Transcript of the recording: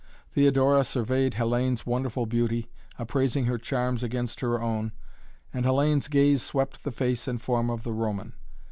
Theodora surveyed Hellayne's wonderful beauty, appraising her charms against her own, and Hellayne's gaze swept the face and form of the Roman.